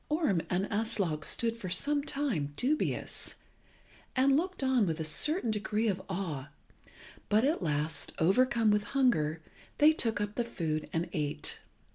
Orm and Aslog stood for some time dubious, and looked on with a certain degree of awe, but at last, overcome with hunger, they took up the food and ate.